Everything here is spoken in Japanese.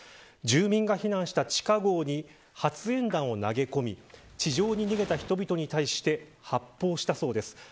住民が避難した地下壕に発煙弾を投げ込み地上に逃げた人々に対して発砲したそうです。